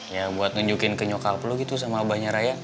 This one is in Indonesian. ya buat nunjukin ke nyokal pelu gitu sama abahnya raya